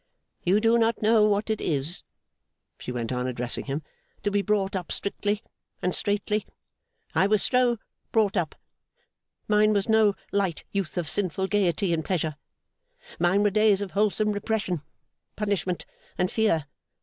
'You do not know what it is,' she went on addressing him, 'to be brought up strictly and straitly. I was so brought up. Mine was no light youth of sinful gaiety and pleasure. Mine were days of wholesome repression, punishment, and fear.